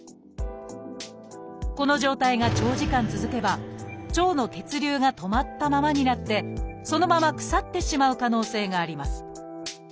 この状態が長時間続けば腸の血流が止まったままになってそのまま腐ってしまう可能性があります